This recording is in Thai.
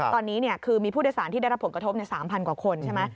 ตอนนี้คือมีผู้โดยสารที่ได้รับผลกระทบ๓๐๐กว่าคนใช่ไหม